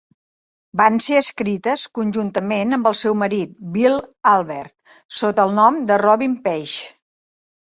Van ser escrites conjuntament amb el seu marit, Bill Albert, sota el nom de Robin Paige.